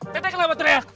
teteh kenapa teriak